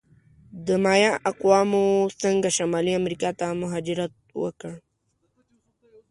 د مایا اقوامو څنګه شمالي امریکا ته مهاجرت وکړ؟